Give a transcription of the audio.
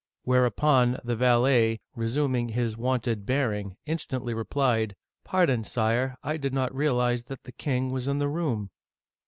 Whereupon the valet, resuming his wonted bearing, instantly replied :" Pardon, Sire ; I did not realize that the king was in the room!"